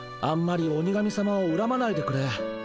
あんまり鬼神さまをうらまないでくれ。